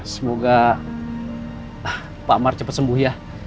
semoga pak amar cepat sembuh ya